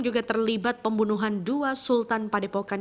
juga terlibat pembunuhan dua sultan padepokan